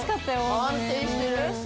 安定してる。